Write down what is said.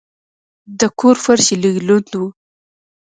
د کور فرش یې لږ لند و.